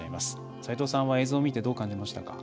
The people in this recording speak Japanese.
斎藤さんは映像を見てどう感じましたか？